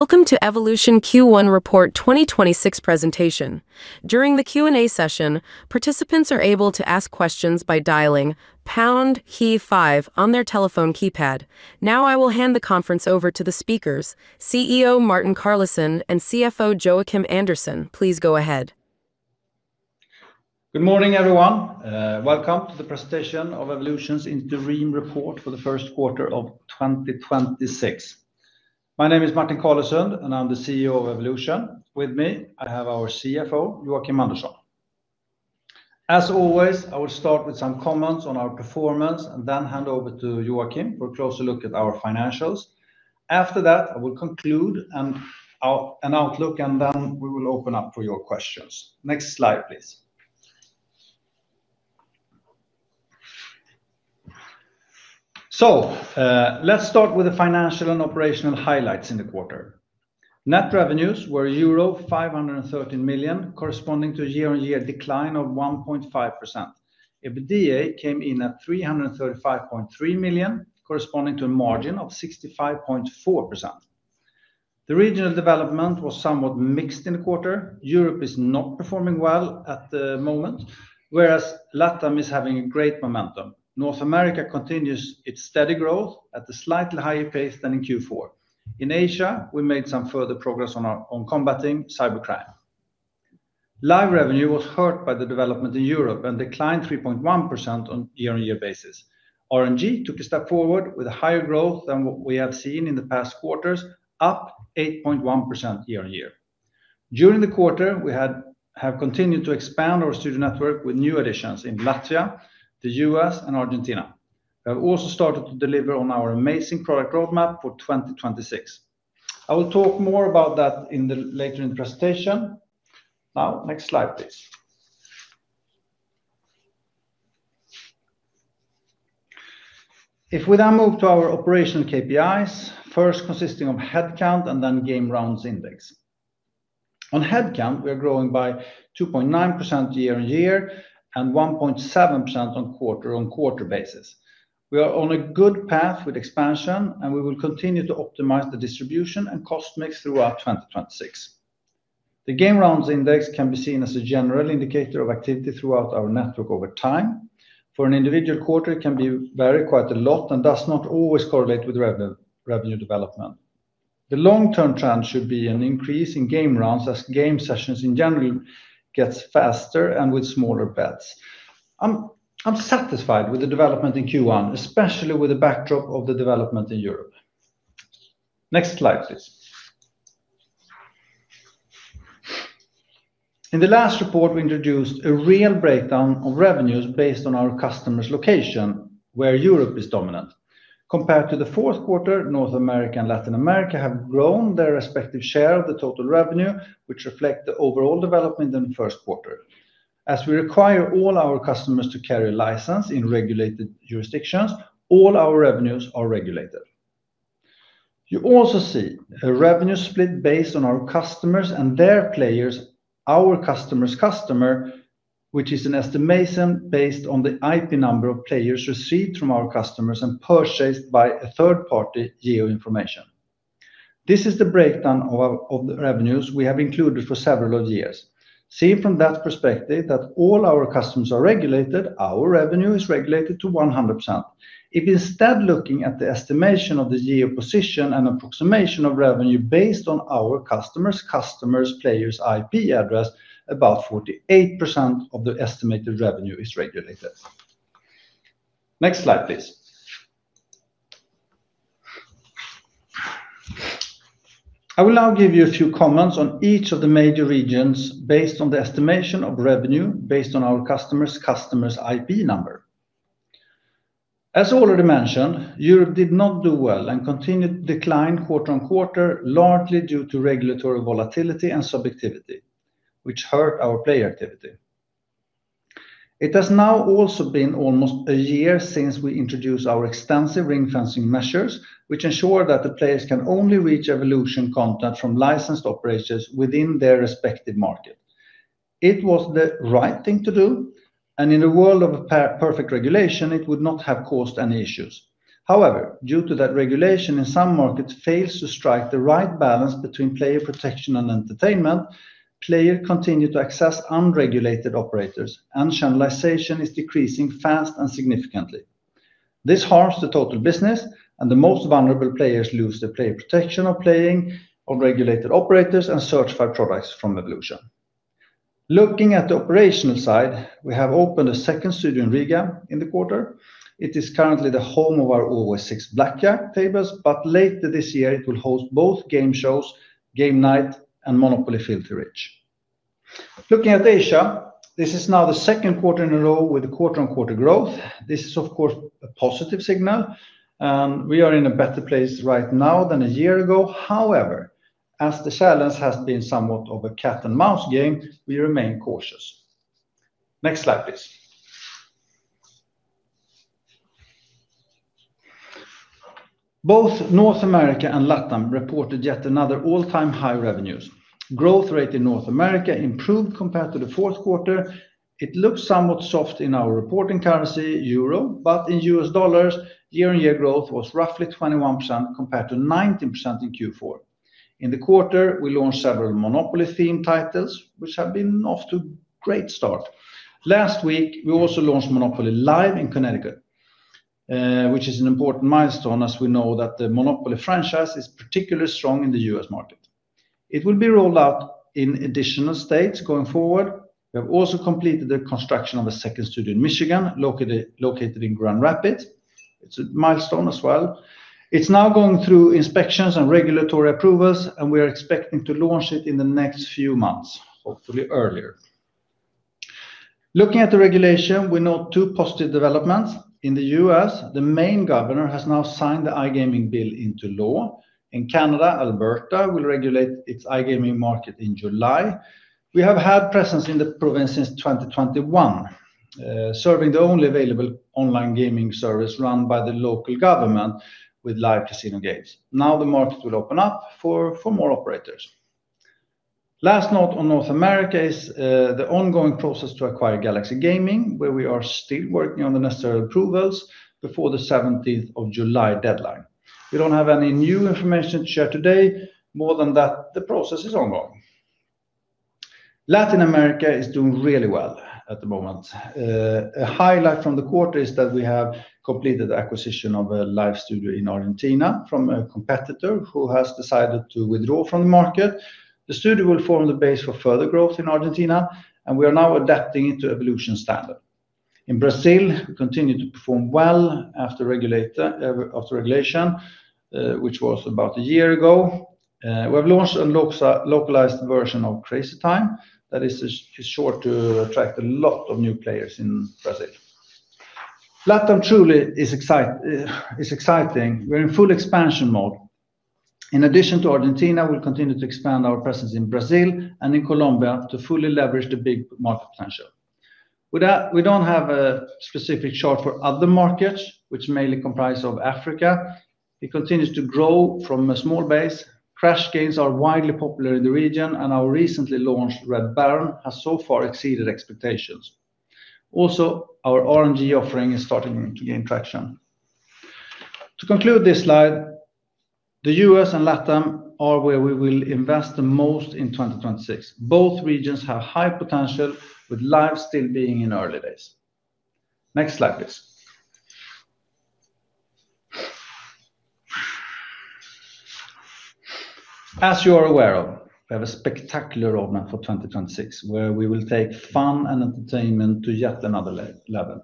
Welcome to Evolution Q1 2026 report presentation. During the Q&A session, participants are able to ask questions by dialing pound key five on their telephone keypad. Now I will hand the conference over to the speakers, CEO Martin Carlesund and CFO Joakim Andersson. Please go ahead. Good morning, everyone. Welcome to the presentation of Evolution's Interim Report for the first quarter of 2026. My name is Martin Carlesund, and I'm the CEO of Evolution. With me, I have our CFO, Joakim Andersson. As always, I will start with some comments on our performance and then hand over to Joakim for a closer look at our financials. After that, I will conclude and outlook, and then we will open up for your questions. Next slide, please. Let's start with the financial and operational highlights in the quarter. Net revenues were euro 513 million, corresponding to a year-on-year decline of 1.5%. EBITDA came in at 335.3 million, corresponding to a margin of 65.4%. The regional development was somewhat mixed in the quarter. Europe is not performing well at the moment, whereas LATAM is having great momentum. North America continues its steady growth at a slightly higher pace than in Q4. In Asia, we made some further progress on combating cybercrime. Live revenue was hurt by the development in Europe and declined 3.1% on a year-on-year basis. RNG took a step forward with higher growth than what we have seen in the past quarters, up 8.1% year-on-year. During the quarter, we have continued to expand our studio network with new additions in Latvia, the U.S., and Argentina. We have also started to deliver on our amazing product roadmap for 2026. I will talk more about that later in the presentation. Now, next slide, please. If we now move to our operational KPIs, first consisting of headcount and then Game Rounds Index. On headcount, we are growing by 2.9% year-on-year and 1.7% on quarter-on-quarter basis. We are on a good path with expansion, and we will continue to optimize the distribution and cost mix throughout 2026. The Game Rounds Index can be seen as a general indicator of activity throughout our network over time. For an individual quarter, it can vary quite a lot and does not always correlate with revenue development. The long-term trend should be an increase in game rounds as game sessions in general gets faster and with smaller bets. I'm satisfied with the development in Q1, especially with the backdrop of the development in Europe. Next slide, please. In the last report, we introduced a real breakdown of revenues based on our customers' location, where Europe is dominant. Compared to the fourth quarter, North America and Latin America have grown their respective share of the total revenue, which reflect the overall development in the first quarter. As we require all our customers to carry a license in regulated jurisdictions, all our revenues are regulated. You also see a revenue split based on our customers and their players, our customer's customer, which is an estimation based on the IP number of players received from our customers and purchased by a third-party geo information. This is the breakdown of the revenues we have included for several years. Seen from that perspective that all our customers are regulated, our revenue is regulated to 100%. If instead looking at the estimation of the geo position and approximation of revenue based on our customers' customers' players' IP address, about 48% of the estimated revenue is regulated. Next slide, please. I will now give you a few comments on each of the major regions based on the estimation of revenue based on our customers' customers' IP number. As already mentioned, Europe did not do well and continued to decline quarter-over-quarter, largely due to regulatory volatility and subjectivity, which hurt our player activity. It has now also been almost a year since we introduced our extensive ring-fencing measures, which ensure that the players can only reach Evolution content from licensed operators within their respective market. It was the right thing to do, and in a world of perfect regulation, it would not have caused any issues. However, due to that, regulation in some markets fails to strike the right balance between player protection and entertainment, players continue to access unregulated operators, and channelization is decreasing fast and significantly. This harms the total business, and the most vulnerable players lose the player protection of playing on regulated operators and certified products from Evolution. Looking at the operational side, we have opened a second studio in Riga in the quarter. It is currently the home of our Always 6 Blackjack tables, but later this year, it will host both game shows, Game Night and Monopoly Filthy Rich. Looking at Asia, this is now the second quarter in a row with quarter-on-quarter growth. This is, of course, a positive signal, and we are in a better place right now than a year ago. However, as the silence has been somewhat of a cat-and-mouse game, we remain cautious. Next slide, please. Both North America and LATAM reported yet another all-time high revenues. Growth rate in North America improved compared to the fourth quarter. It looks somewhat soft in our reporting currency, euro, but in U.S. dollars, year-on-year growth was roughly 21% compared to 19% in Q4. In the quarter, we launched several Monopoly-themed titles, which have been off to a great start. Last week, we also launched Monopoly Live in Connecticut, which is an important milestone as we know that the Monopoly franchise is particularly strong in the U.S. market. It will be rolled out in additional states going forward. We have also completed the construction of a second studio in Michigan, located in Grand Rapids. It's a milestone as well. It's now going through inspections and regulatory approvals, and we are expecting to launch it in the next few months, hopefully earlier. Looking at the regulation, we note two positive developments. In the U.S., the Maine governor has now signed the iGaming bill into law. In Canada, Alberta will regulate its iGaming market in July. We have had presence in the province since 2021, serving the only available online gaming service run by the local government with live casino games. Now the market will open up for more operators. Last note on North America is the ongoing process to acquire Galaxy Gaming, where we are still working on the necessary approvals before the 17th of July deadline. We don't have any new information to share today, more than that the process is ongoing. Latin America is doing really well at the moment. A highlight from the quarter is that we have completed the acquisition of a live studio in Argentina from a competitor who has decided to withdraw from the market. The studio will form the base for further growth in Argentina, and we are now adapting it to Evolution standard. In Brazil, we continue to perform well after regulation, which was about a year ago. We have launched a localized version of Crazy Time that is sure to attract a lot of new players in Brazil. LATAM truly is exciting. We're in full expansion mode. In addition to Argentina, we'll continue to expand our presence in Brazil and in Colombia to fully leverage the big market potential. With that, we don't have a specific chart for other markets, which mainly comprise of Africa. It continues to grow from a small base. Crash games are widely popular in the region, and our recently launched Red Baron has so far exceeded expectations. Also, our RNG offering is starting to gain traction. To conclude this slide, the U.S. and LATAM are where we will invest the most in 2026. Both regions have high potential, with Live still being in early days. Next slide, please. As you are aware of, we have a spectacular roadmap for 2026 where we will take fun and entertainment to yet another level.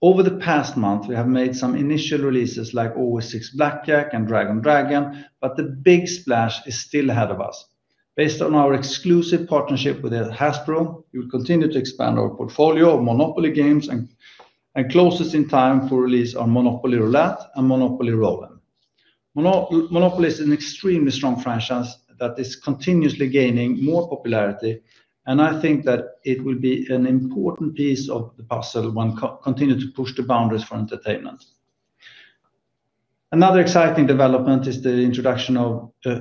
Over the past month, we have made some initial releases like Always 6 Blackjack and Dragon Tiger, but the big splash is still ahead of us. Based on our exclusive partnership with Hasbro, we will continue to expand our portfolio of Monopoly games and closest in time for release are Monopoly Roulette and Monopoly Roll 'Em. Monopoly is an extremely strong franchise that is continuously gaining more popularity, and I think that it will be an important piece of the puzzle when continuing to push the boundaries for entertainment. Another exciting development is the introduction of a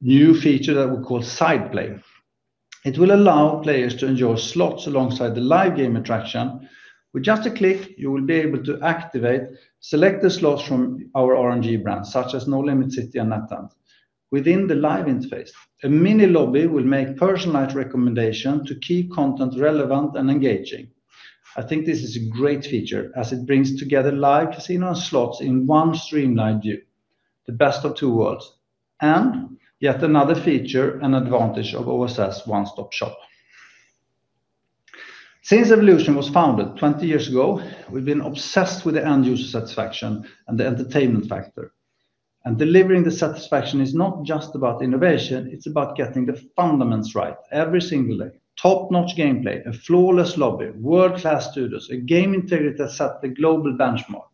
new feature that we call Side Play. It will allow players to enjoy slots alongside the live game attraction. With just a click, you will be able to activate selected slots from our RNG brand, such as Nolimit City and NetEnt. Within the live interface, a mini lobby will make personalized recommendation to keep content relevant and engaging. I think this is a great feature as it brings together Live Casino and slots in one streamlined view, the best of two worlds, and yet another feature and advantage of OSS one-stop-shop. Since Evolution was founded 20 years ago, we've been obsessed with the end-user satisfaction and the entertainment factor. Delivering the satisfaction is not just about innovation, it's about getting the fundamentals right every single day. Top-notch gameplay, a flawless lobby, world-class studios, a game integrity that set the global benchmark.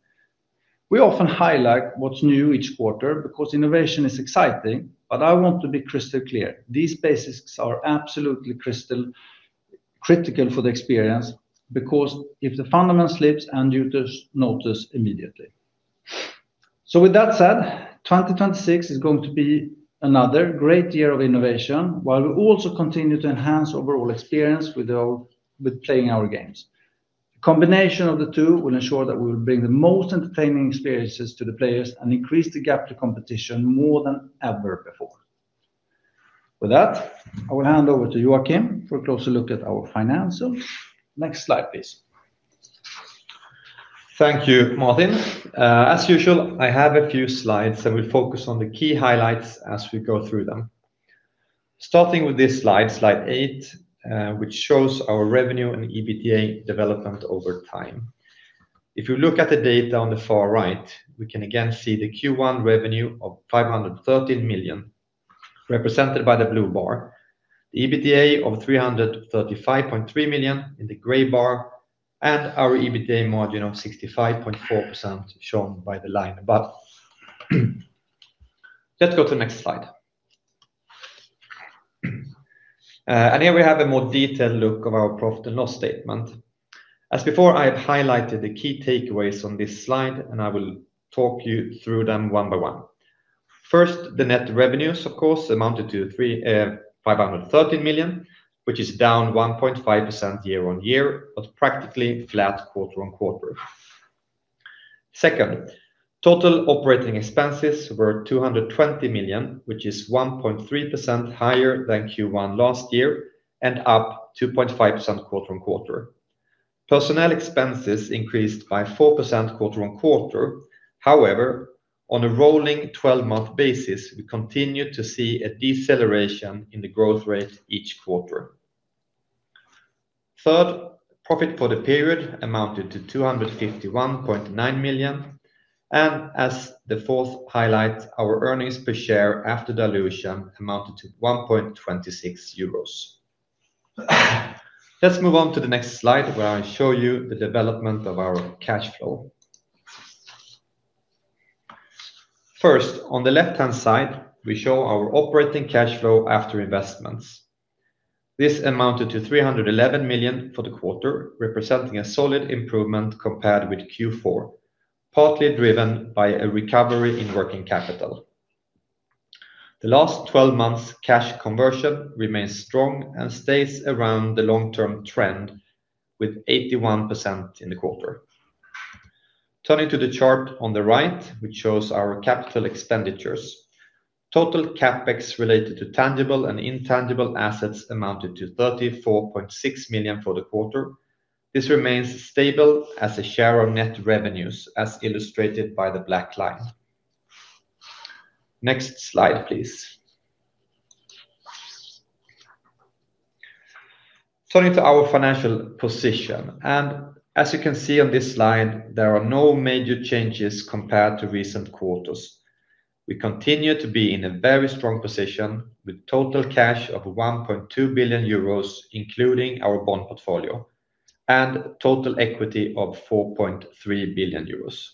We often highlight what's new each quarter because innovation is exciting, but I want to be crystal clear. These basics are absolutely critical for the experience because if the fundamentals slip end users notice immediately. With that said, 2026 is going to be another great year of innovation, while we also continue to enhance overall experience with playing our games. Combination of the two will ensure that we will bring the most entertaining experiences to the players and increase the gap to competition more than ever before. With that, I will hand over to Joakim for a closer look at our financials. Next slide, please. Thank you, Martin. As usual, I have a few slides and we'll focus on the key highlights as we go through them. Starting with this slide eight, which shows our revenue and EBITDA development over time. If you look at the data on the far right, we can again see the Q1 revenue of 513 million represented by the blue bar, the EBITDA of 335.3 million in the gray bar, and our EBITDA margin of 65.4% shown by the line above. Let's go to the next slide. Here we have a more detailed look of our profit and loss statement. As before, I have highlighted the key takeaways on this slide, and I will talk you through them one by one. First, the net revenues, of course, amounted to 513 million, which is down 1.5% year-on-year, but practically flat quarter-on-quarter. Second, total operating expenses were 220 million, which is 1.3% higher than Q1 last year and up 2.5% quarter-over-quarter. Personnel expenses increased by 4% quarter-over-quarter. However, on a rolling 12-month basis, we continue to see a deceleration in the growth rate each quarter. Third, profit for the period amounted to 251.9 million, and as the fourth highlight, our earnings per share after dilution amounted to 1.26 euros. Let's move on to the next slide where I show you the development of our cash flow. First, on the left-hand side, we show our operating cash flow after investments. This amounted to 311 million for the quarter, representing a solid improvement compared with Q4, partly driven by a recovery in working capital. The last 12 months cash conversion remains strong and stays around the long-term trend with 81% in the quarter. Turning to the chart on the right, which shows our capital expenditures. Total CapEx related to tangible and intangible assets amounted to 34.6 million for the quarter. This remains stable as a share of net revenues, as illustrated by the black line. Next slide, please. Turning to our financial position, and as you can see on this slide, there are no major changes compared to recent quarters. We continue to be in a very strong position with total cash of 1.2 billion euros including our bond portfolio, and total equity of 4.3 billion euros.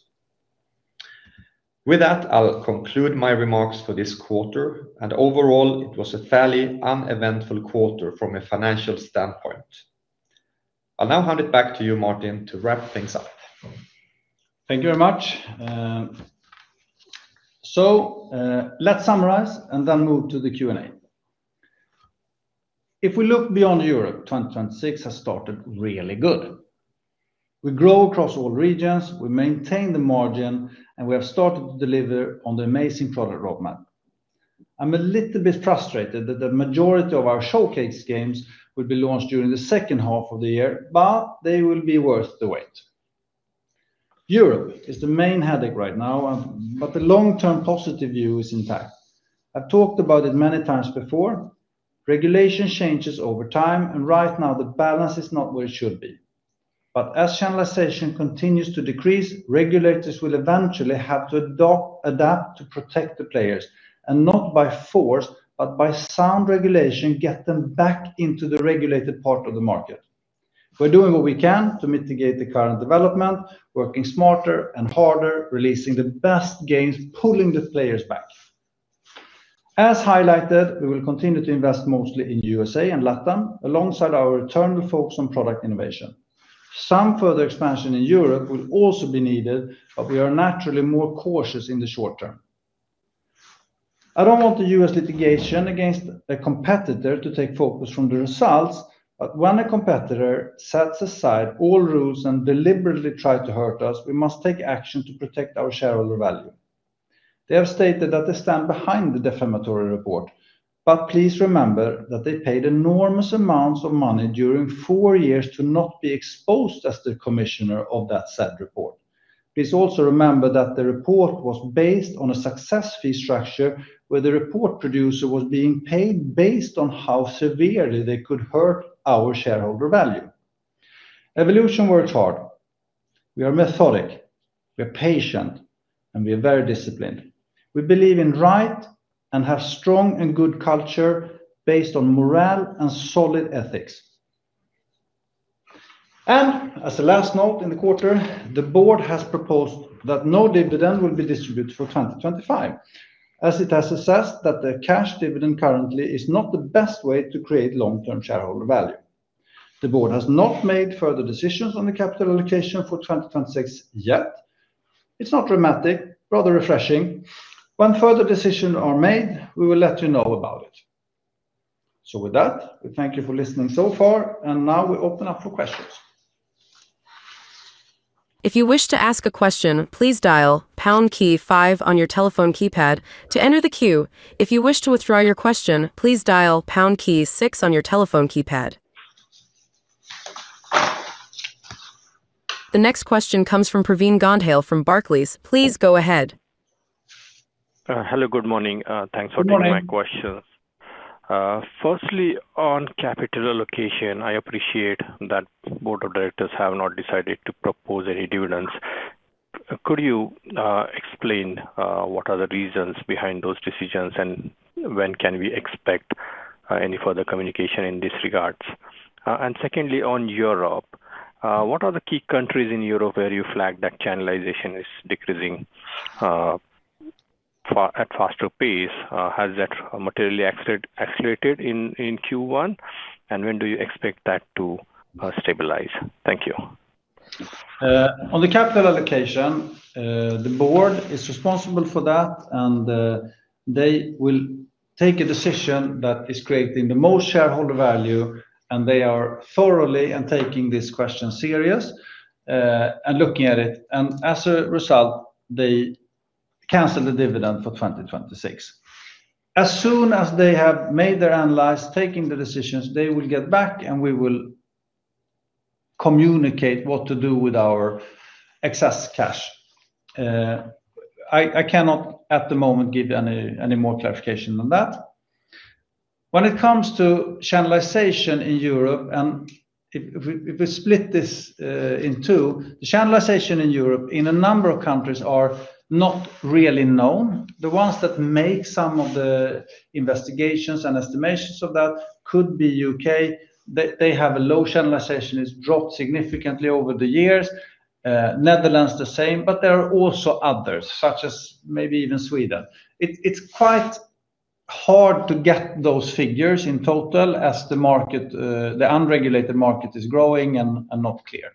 With that, I'll conclude my remarks for this quarter, and overall it was a fairly uneventful quarter from a financial standpoint. I'll now hand it back to you, Martin, to wrap things up. Thank you very much. Let's summarize and then move to the Q&A. If we look beyond Europe, 2026 has started really good. We grow across all regions, we maintain the margin, and we have started to deliver on the amazing product roadmap. I'm a little bit frustrated that the majority of our showcase games will be launched during the second half of the year, but they will be worth the wait. Europe is the main headache right now, but the long-term positive view is intact. I've talked about it many times before. Regulation changes over time, and right now the balance is not where it should be. As channelization continues to decrease, regulators will eventually have to adapt to protect the players, and not by force, but by sound regulation, get them back into the regulated part of the market. We're doing what we can to mitigate the current development, working smarter and harder, releasing the best games, pulling the players back. As highlighted, we will continue to invest mostly in U.S.A. and LATAM alongside our eternal focus on product innovation. Some further expansion in Europe will also be needed, but we are naturally more cautious in the short term. I don't want the U.S. litigation against a competitor to take focus from the results, but when a competitor sets aside all rules and deliberately try to hurt us, we must take action to protect our shareholder value. They have stated that they stand behind the defamatory report, but please remember that they paid enormous amounts of money during four years to not be exposed as the commissioner of that said report. Please also remember that the report was based on a success fee structure, where the report producer was being paid based on how severely they could hurt our shareholder value. Evolution works hard. We are methodic, we are patient, and we are very disciplined. We believe in right and have strong and good culture based on morale and solid ethics. As a last note in the quarter, the board has proposed that no dividend will be distributed for 2025, as it has assessed that the cash dividend currently is not the best way to create long-term shareholder value. The board has not made further decisions on the capital allocation for 2026 yet. It's not dramatic, rather refreshing. When further decisions are made, we will let you know about it. With that, we thank you for listening so far, and now we open up for questions. The next question comes from Pravin Gondhale from Barclays. Please go ahead. Hello. Good morning. Thanks for taking Good morning. My questions. Firstly, on capital allocation, I appreciate that board of directors have not decided to propose any dividends. Could you explain what are the reasons behind those decisions, and when can we expect any further communication in this regard? Secondly, on Europe, what are the key countries in Europe where you flag that channelization is decreasing at a faster pace? Has that materially accelerated in Q1? When do you expect that to stabilize? Thank you. On the capital allocation, the board is responsible for that, and they will take a decision that is creating the most shareholder value, and they are thoroughly and taking this question seriously, and looking at it. As a result, they canceled the dividend for 2026. As soon as they have made their analysis, taking the decisions, they will get back and we will communicate what to do with our excess cash. I cannot, at the moment, give any more clarification on that. When it comes to channelization in Europe, and if we split this in two, the channelization in Europe in a number of countries are not really known. The ones that make some of the investigations and estimations of that could be U.K. They have a low channelization. It's dropped significantly over the years. Netherlands, the same, but there are also others, such as maybe even Sweden. It's quite hard to get those figures in total as the unregulated market is growing and are not clear.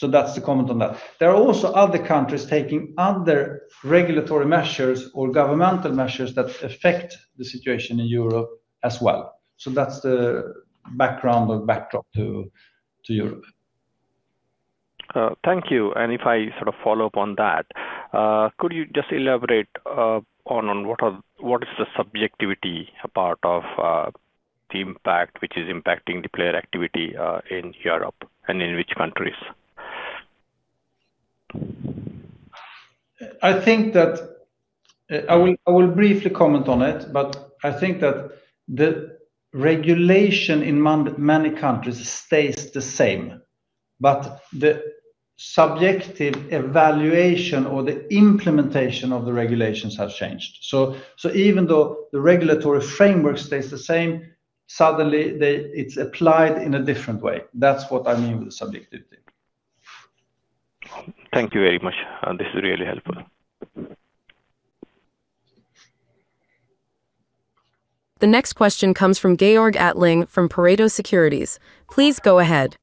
That's the comment on that. There are also other countries taking other regulatory measures or governmental measures that affect the situation in Europe as well. That's the background or backdrop to Europe. Thank you. If I follow up on that, could you just elaborate on what is the subjectivity part of the impact, which is impacting the player activity, in Europe, and in which countries? I will briefly comment on it, but I think that the regulation in many countries stays the same, but the subjective evaluation or the implementation of the regulations has changed. Even though the regulatory framework stays the same, suddenly it's applied in a different way. That's what I mean with subjectivity. Thank you very much. This is really helpful. The next question comes from Georg Attling from Pareto Securities. Please go ahead.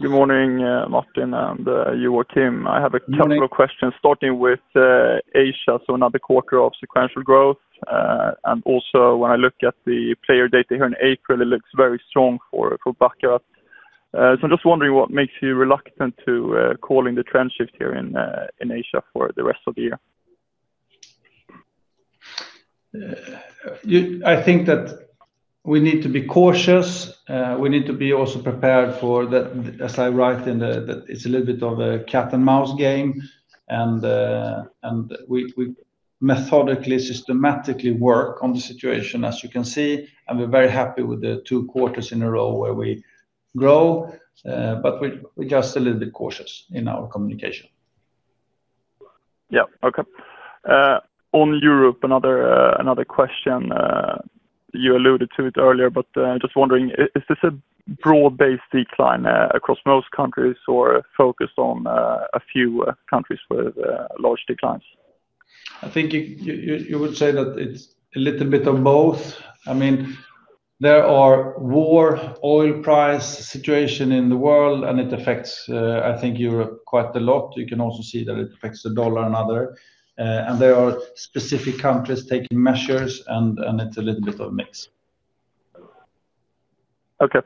Good morning, Martin, and Joakim. I have a couple of questions starting with Asia, so another quarter of sequential growth. When I look at the player data here in April, it looks very strong for Baccarat. I'm just wondering what makes you reluctant to calling the trend shift here in Asia for the rest of the year. I think that we need to be cautious. We need to be also prepared for. It's a little bit of a cat and mouse game, and we methodically, systematically work on the situation as you can see, and we're very happy with the two quarters in a row where we grow. We're just a little bit cautious in our communication. Yeah. Okay. On Europe, another question. You alluded to it earlier, but just wondering, is this a broad-based decline across most countries or focused on a few countries with large declines? I think you would say that it's a little bit of both. There are war, oil price situation in the world, and it affects, I think, Europe quite a lot. You can also see that it affects the dollar and other. There are specific countries taking measures, and it's a little bit of a mix. Okay.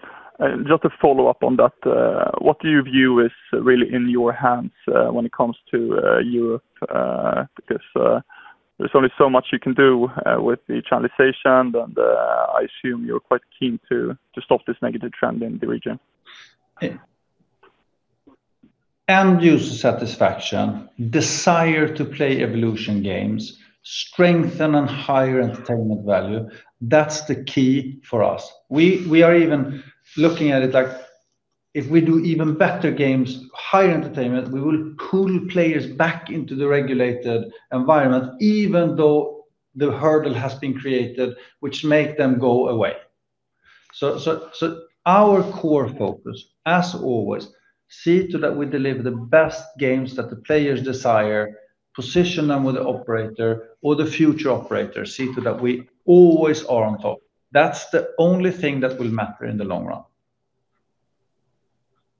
Just to follow up on that, what do you view is really in your hands when it comes to Europe? Because there's only so much you can do with the channelization, and I assume you're quite keen to stop this negative trend in the region. End-user satisfaction, desire to play Evolution games, strengthen and higher entertainment value. That's the key for us. We are even looking at it like if we do even better games, higher entertainment, we will pull players back into the regulated environment, even though the hurdle has been created, which make them go away. Our core focus, as always, see to that we deliver the best games that the players desire, position them with the operator or the future operator, see to that we always are on top. That's the only thing that will matter in the long run.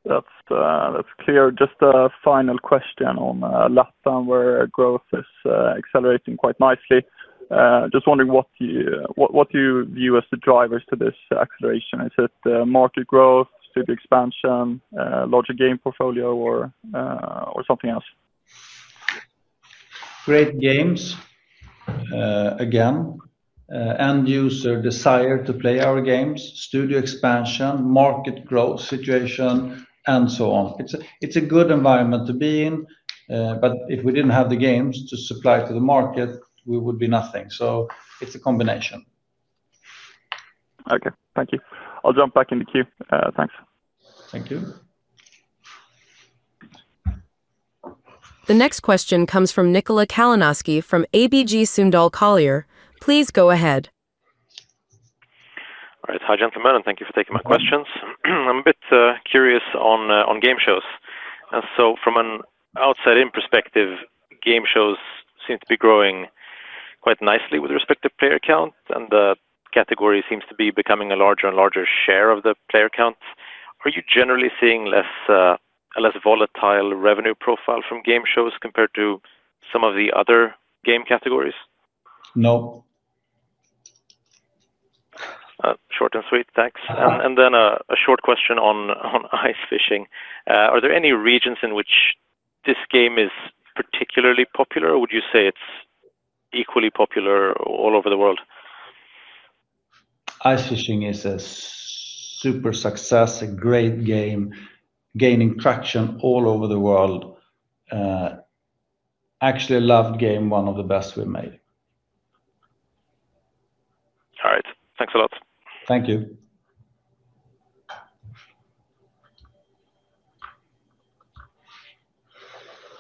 That's clear. Just a final question on Latin where growth is accelerating quite nicely. Just wondering what do you view as the drivers to this acceleration? Is it market growth, studio expansion, larger game portfolio or something else? Great games, again, end-user desire to play our games, studio expansion, market growth situation, and so on. It's a good environment to be in. If we didn't have the games to supply to the market, we would be nothing. It's a combination. Okay. Thank you. I'll jump back in the queue. Thanks. Thank you. The next question comes from Nikola Kalanoski from ABG Sundal Collier. Please go ahead. Hi, gentlemen, and thank you for taking my questions. I'm a bit curious on game shows. From an outside-in perspective, game shows seem to be growing quite nicely with respect to player count, and the category seems to be becoming a larger and larger share of the player count. Are you generally seeing a less volatile revenue profile from game shows compared to some of the other game categories? No. Short and sweet. Thanks. Uh-huh. A short question on Ice Fishing. Are there any regions in which this game is particularly popular, or would you say it's equally popular all over the world? Ice Fishing is a super success, a great game, gaining traction all over the world. Actually, a loved game, one of the best we've made. All right. Thanks a lot. Thank you.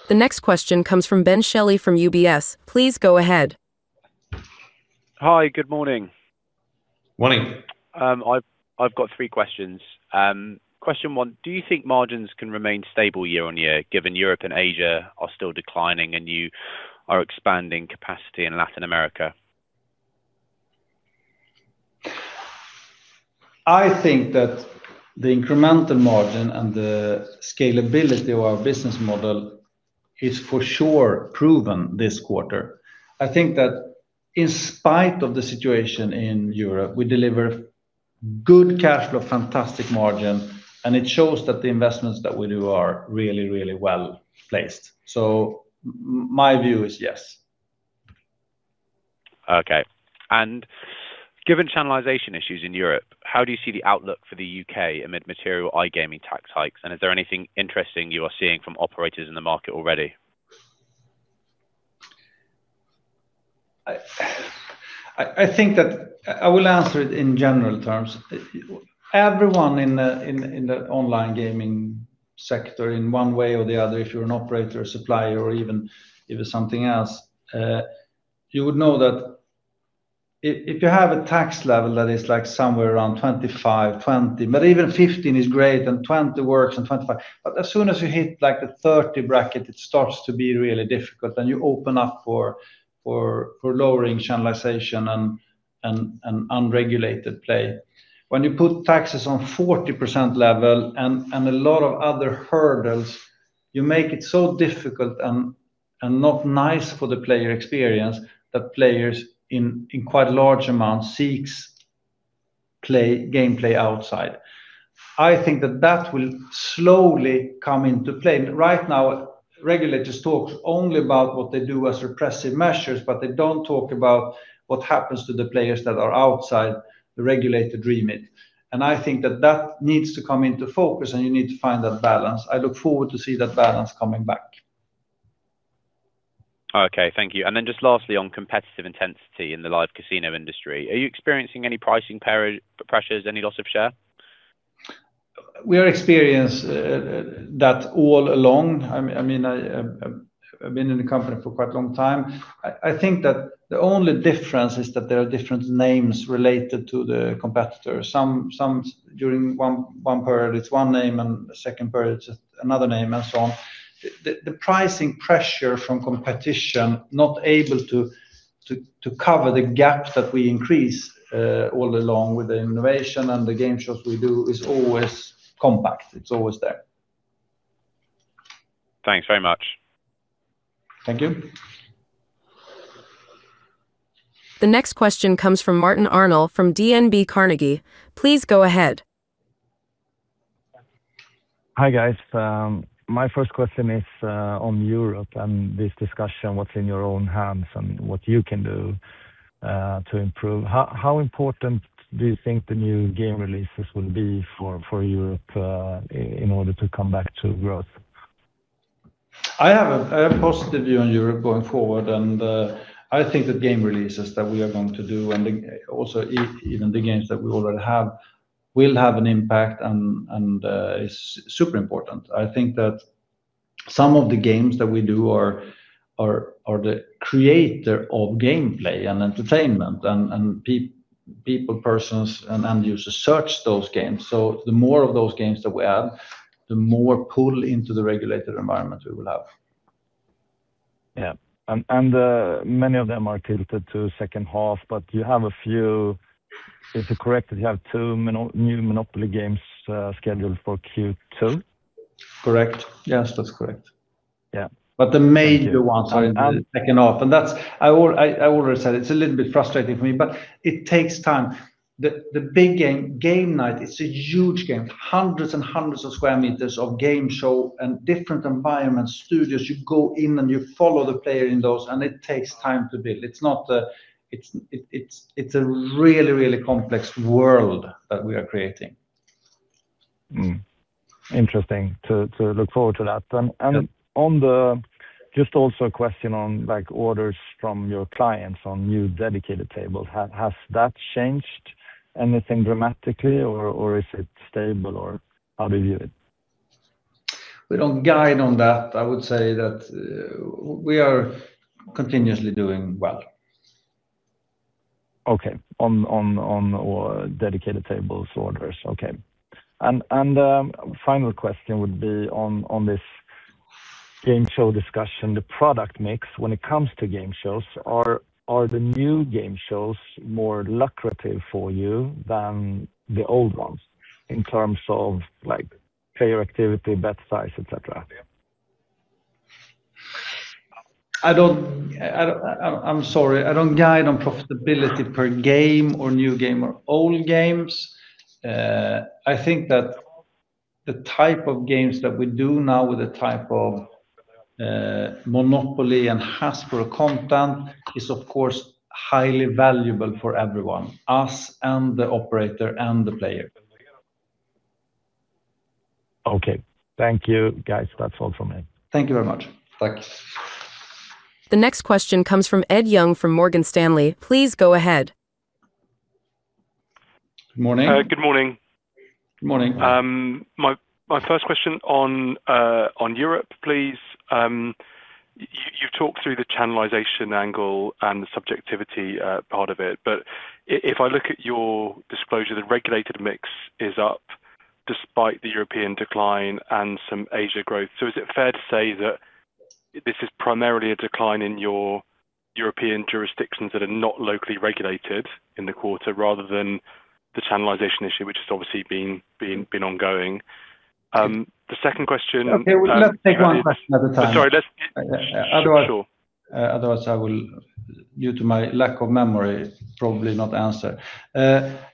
The next question comes from Ben Shelley from UBS. Please go ahead. Hi. Good morning. Morning. I've got three questions. Question one, do you think margins can remain stable year-over-year, given Europe and Asia are still declining and you are expanding capacity in Latin America? I think that the incremental margin and the scalability of our business model is for sure proven this quarter. I think that in spite of the situation in Europe, we deliver good cash flow, fantastic margin, and it shows that the investments that we do are really well-placed. My view is yes. Okay. Given channelization issues in Europe, how do you see the outlook for the U.K. amid material iGaming tax hikes, and is there anything interesting you are seeing from operators in the market already? I will answer it in general terms. Everyone in the online gaming sector, in one way or the other, if you're an operator, supplier, or even if it's something else, you would know that if you have a tax level that is somewhere around 25%, 20%, but even 15% is great, and 20% works and 25%, but as soon as you hit the 30% bracket, it starts to be really difficult, and you open up for lowering channelization and unregulated play. When you put taxes on 40% level and a lot of other hurdles, you make it so difficult and not nice for the player experience that players in quite large amounts seeks game play outside. I think that that will slowly come into play. Right now, regulators talk only about what they do as repressive measures, but they don't talk about what happens to the players that are outside the regulated remit. I think that needs to come into focus, and you need to find that balance. I look forward to see that balance coming back. Okay, thank you. Just lastly, on competitive intensity in the live casino industry, are you experiencing any pricing pressures, any loss of share? We're experiencing that all along. I've been in the company for quite a long time. I think that the only difference is that there are different names related to the competitors. Sometimes during one period, it's one name, and the second period it's another name, and so on. The pricing pressure from competition not able to cover the gap that we increase all along with the innovation and the game shows we do is always constant. It's always there. Thanks very much. Thank you. The next question comes from Martin Arnell from DNB Carnegie. Please go ahead. Hi, guys. My first question is on Europe and this discussion, what's in your own hands and what you can do to improve. How important do you think the new game releases will be for Europe in order to come back to growth? I have a positive view on Europe going forward, and I think the game releases that we are going to do and also even the games that we already have will have an impact and is super important. I think that some of the games that we do are the creator of gameplay and entertainment and people, persons, and end users search those games. The more of those games that we add, the more pull into the regulated environment we will have. Yeah. Many of them are tilted to second half, but you have a few. Is it correct that you have two new Monopoly games scheduled for Q2? Correct. Yes, that's correct. Yeah. The major ones are in the second half. I already said it's a little bit frustrating for me, but it takes time. The big game, Game Night, it's a huge game, hundreds and hundreds of square meters of game show and different environments, studios. You go in and you follow the player in those, and it takes time to build. It's a really complex world that we are creating. Interesting to look forward to that then. Yep. Just also a question on orders from your clients on new dedicated tables. Has that changed anything dramatically, or is it stable, or how do you view it? We don't guide on that. I would say that we are continuously doing well. Final question would be on this game show discussion, the product mix when it comes to game shows, are the new game shows more lucrative for you than the old ones in terms of player activity, bet size, et cetera? I'm sorry, I don't guide on profitability per game or new game or old games. I think that the type of games that we do now with the type of Monopoly and Hasbro content is, of course, highly valuable for everyone, us and the operator and the player. Okay. Thank you, guys. That's all from me. Thank you very much. Thanks. The next question comes from Ed Young from Morgan Stanley. Please go ahead. Good morning. Good morning. My first question on Europe, please. You've talked through the channelization angle and the subjectivity part of it, but if I look at your disclosure, the regulated mix is up despite the European decline and some Asia growth. Is it fair to say that this is primarily a decline in your European jurisdictions that are not locally regulated in the quarter rather than the channelization issue, which has obviously been ongoing? The second question- Okay. Let's take one question at a time. Sorry. Sure. Otherwise I will, due to my lack of memory, probably not answer.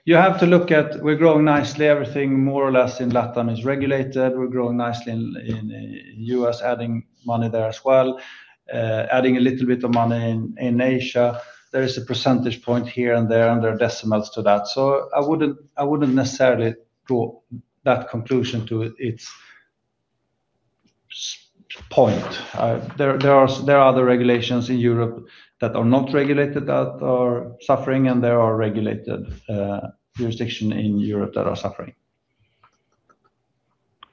You have to look at, we're growing nicely. Everything more or less in LatAm is regulated. We're growing nicely in U.S., adding money there as well. Adding a little bit of money in Asia. There is a percentage point here and there, and there are decimals to that. So I wouldn't necessarily draw that conclusion to its point. There are other regulations in Europe that are not regulated that are suffering, and there are regulated jurisdiction in Europe that are suffering.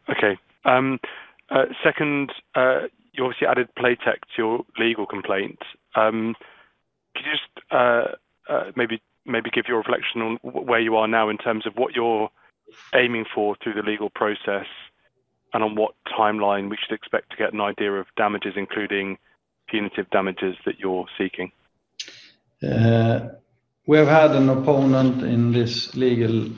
Okay. Second, you obviously added Playtech to your legal complaint. Can you just maybe give your reflection on where you are now in terms of what you're aiming for through the legal process, and on what timeline we should expect to get an idea of damages, including punitive damages that you're seeking? We've had an opponent in this legal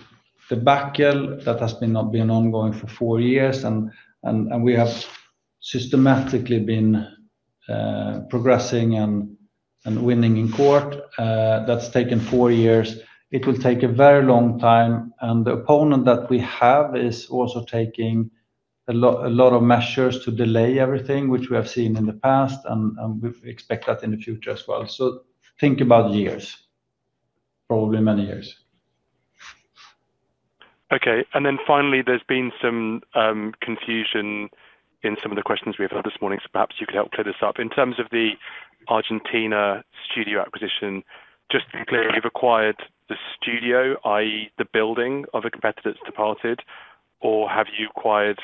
debacle that has now been ongoing for four years, and we have systematically been progressing and winning in court. That's taken four years. It will take a very long time, and the opponent that we have is also taking a lot of measures to delay everything, which we have seen in the past and we expect that in the future as well. Think about years, probably many years. Okay. Finally, there's been some confusion in some of the questions we've had this morning, so perhaps you could help clear this up. In terms of the Argentina studio acquisition, just to be clear, you've acquired the studio, i.e., the building of a competitor that's departed, or have you acquired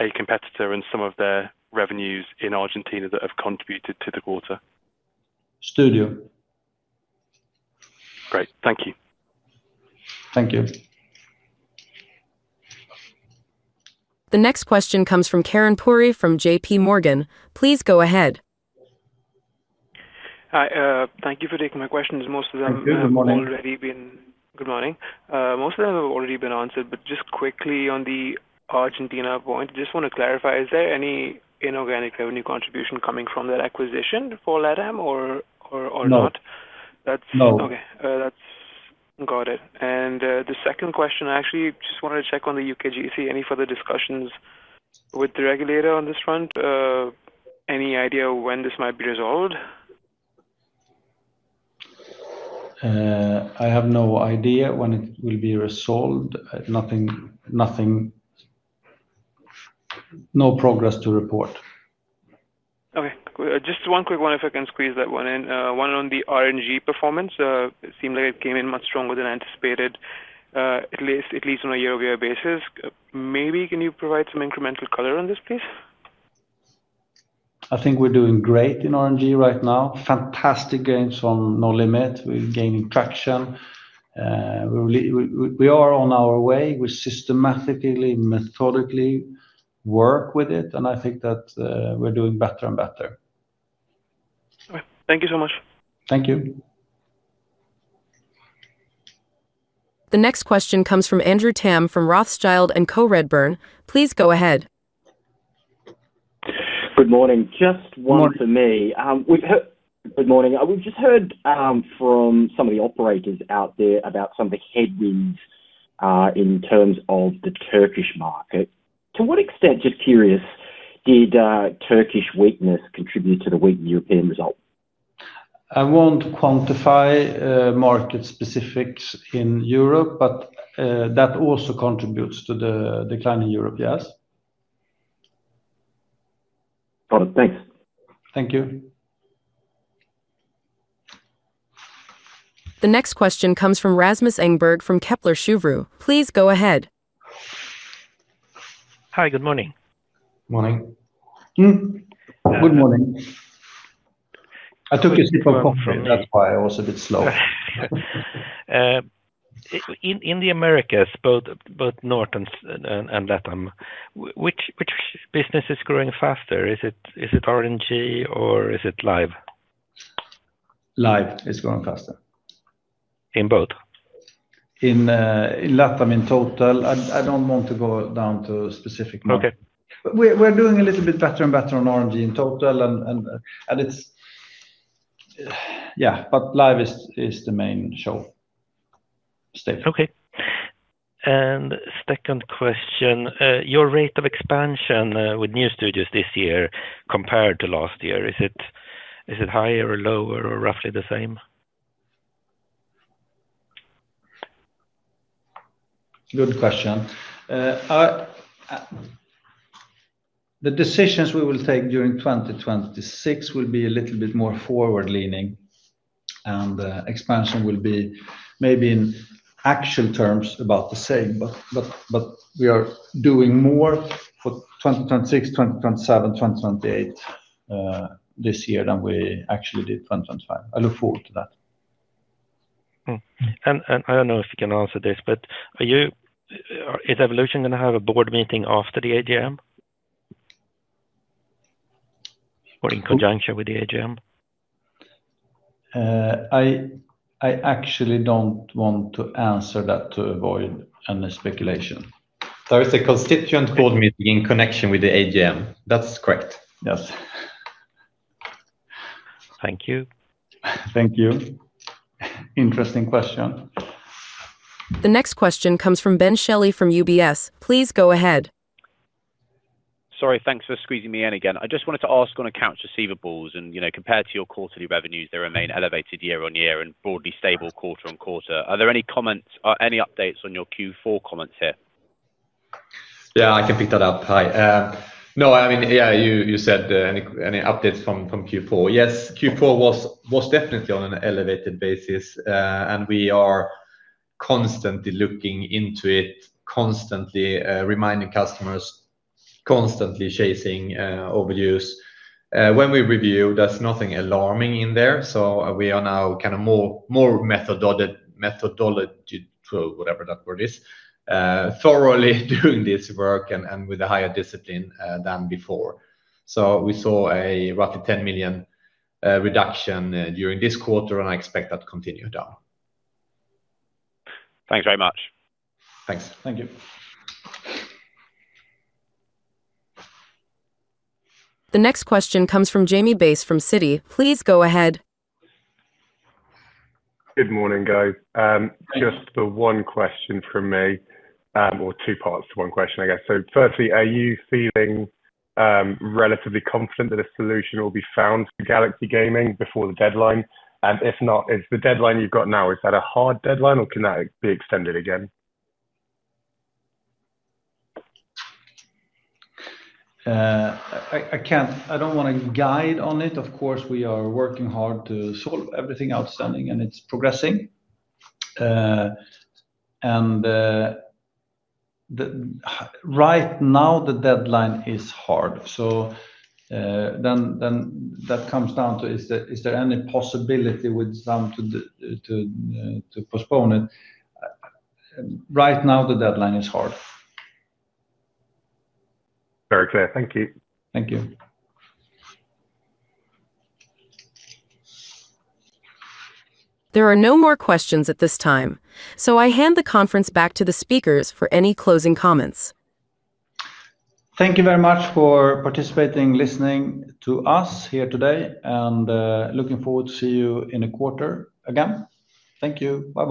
a competitor and some of their revenues in Argentina that have contributed to the quarter? Studio. Great. Thank you. Thank you. The next question comes from Karan Puri from JPMorgan. Please go ahead. Hi. Thank you for taking my questions. Most of them Good morning. Good morning. Most of them have already been answered, but just quickly on the Argentina point, just want to clarify, is there any inorganic revenue contribution coming from that acquisition for LATAM or not? No. Okay. Got it. The second question, I actually just wanted to check on the UKGC. Any further discussions with the regulator on this front? Any idea when this might be resolved? I have no idea when it will be resolved. No progress to report. Okay. Just one quick one if I can squeeze that one in. One on the RNG performance. It seemed like it came in much stronger than anticipated, at least on a year-over-year basis. Maybe can you provide some incremental color on this, please? I think we're doing great in RNG right now. Fantastic gains from Nolimit. We're gaining traction. We are on our way. We systematically, methodically work with it, and I think that we're doing better and better. Okay. Thank you so much. Thank you. The next question comes from Andrew Tam, from Rothschild & Co Redburn. Please go ahead. Good morning. Just one from me. Morning. Good morning. We've just heard from some of the operators out there about some of the headwinds in terms of the Turkish market. To what extent, just curious, did Turkish weakness contribute to the weak European results? I won't quantify market specifics in Europe, but that also contributes to the decline in Europe, yes. Got it. Thanks. Thank you. The next question comes from Rasmus Engberg from Kepler Cheuvreux. Please go ahead. Hi, good morning. Morning. Good morning. I took a sip of coffee. That's why I was a bit slow. In the Americas, both North and Latin, which business is growing faster? Is it RNG or is it live? Live is growing faster. In both? In Latin, in total, I don't want to go down to specific markets. Okay. We're doing a little bit better and better on RNG in total. Yeah, but live is the main show still. Okay. Second question, your rate of expansion with new studios this year compared to last year, is it higher or lower or roughly the same? Good question. The decisions we will take during 2026 will be a little bit more forward-leaning, and the expansion will be maybe in actual terms about the same. We are doing more for 2026, 2027, 2028, this year than we actually did 2025. I look forward to that. I don't know if you can answer this, but is Evolution going to have a board meeting after the AGM? Or in conjunction with the AGM? I actually don't want to answer that to avoid any speculation. There is a constituent board meeting in connection with the AGM. That's correct. Yes. Thank you. Thank you. Interesting question. The next question comes from Ben Shelley from UBS. Please go ahead. Sorry, thanks for squeezing me in again. I just wanted to ask on accounts receivables and compared to your quarterly revenues, they remain elevated year-on-year and broadly stable quarter-on-quarter. Are there any updates on your Q4 comments here? I can pick that up. Hi. You said any updates from Q4? Yes. Q4 was definitely on an elevated basis, and we are constantly looking into it, constantly reminding customers, constantly chasing overviews. When we review, there's nothing alarming in there, so we are now more methodical, whatever that word is, thoroughly doing this work and with a higher discipline than before. We saw a roughly 10 million reduction during this quarter, and I expect that to continue down. Thanks very much. Thanks. Thank you. The next question comes from Jamie Bass from Citi. Please go ahead. Good morning, guys. Hi. Just the one question from me, or two parts to one question, I guess. Firstly, are you feeling relatively confident that a solution will be found for Galaxy Gaming before the deadline? And if not, is the deadline you've got now, is that a hard deadline or can that be extended again? I don't want to guide on it. Of course, we are working hard to solve everything outstanding, and it's progressing. Right now the deadline is hard. That comes down to, is there any possibility with Sam to postpone it? Right now the deadline is hard. Very clear. Thank you. Thank you. There are no more questions at this time, so I hand the conference back to the speakers for any closing comments. Thank you very much for participating, listening to us here today, and looking forward to see you in a quarter again. Thank you. Bye.